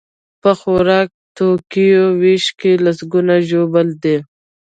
په خوراکي توکیو ویش کې لسکونه ژوبل دي.